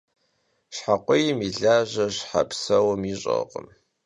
Şhe khuiym yi laje şhe pseum yiş'erkhım.